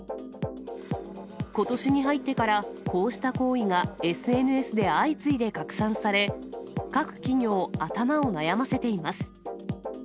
ことしに入ってから、こうした行為がＳＮＳで相次いで拡散され、各企業、頭を悩ませています。